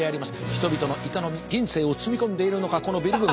人々の営み人生を包み込んでいるのかこのビル群は。